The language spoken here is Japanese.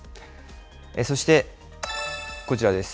そしてこちらです。